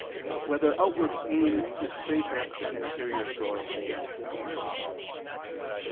7] Whether Outward Pain Is Greater Than Interior Sorrow?